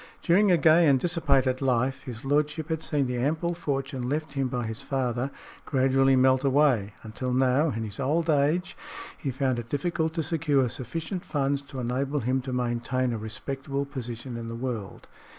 During a gay and dissipated life, his lordship had seen the ample fortune left him by his father gradually melt away, until now, in his old age, he found it difficult to secure sufficient funds to enable him to maintain a respectable position in the world.